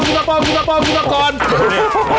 โอ้ยโอ้ยโอ้ยโอ้ยโอ้ย